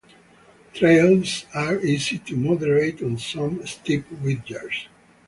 Trails are easy to moderate on some steep ridges.